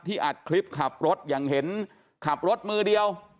อัดคลิปขับรถอย่างเห็นขับรถมือเดียว